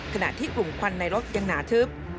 ขณะที่กลุ่มควันในรถยังหนาทึบ